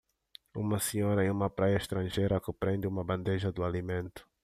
Uma senhora em uma praia estrangeira que prende uma bandeja do alimento.